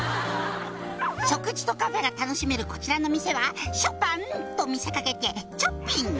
「食事とカフェが楽しめるこちらの店はショパンと見せ掛けて」